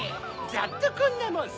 ざっとこんなもんさ！